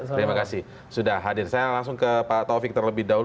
terima kasih sudah hadir saya langsung ke pak taufik terlebih dahulu